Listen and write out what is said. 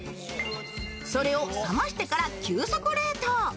それを冷ましてから急速冷凍。